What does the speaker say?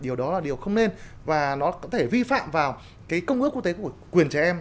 điều đó là điều không nên và nó có thể vi phạm vào cái công ước quốc tế của quyền trẻ em